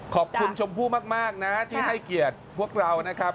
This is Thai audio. ชมพู่มากนะที่ให้เกียรติพวกเรานะครับ